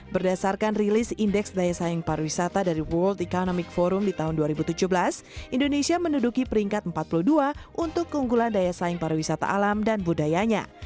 berdasarkan rilis indeks daya saing pariwisata dari world economic forum di tahun dua ribu tujuh belas indonesia menduduki peringkat empat puluh dua untuk keunggulan daya saing pariwisata alam dan budayanya